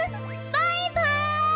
バイバイ！